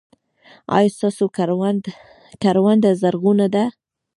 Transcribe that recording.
ایا ستاسو کرونده زرغونه ده؟